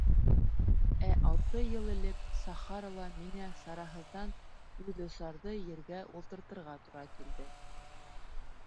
Ә алты йыл элек Сахарала миңә сараһыҙҙан үҙосарҙы ергә ултыртырға тура килде.